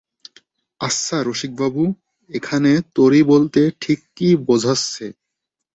আচ্ছা রসিকবাবু, এখানে তরী বলতে ঠিক কী বোঝাচ্ছে?